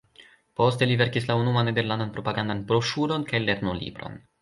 Poste li verkis la unuan nederlandan propagandan broŝuron kaj lernolibron.